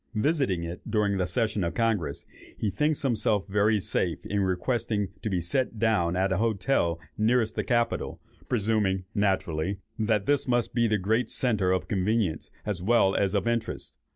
Visiting it during the session of Congress, he thinks himself very safe in requesting to be set down at the hotel nearest the Capitol, presuming, naturally, that this must be the great centre of convenience, as well as of interest.